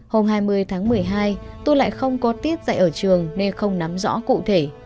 hôm hai mươi tháng một mươi hai tôi lại không có tiết dạy ở trường nên không nắm rõ cụ thể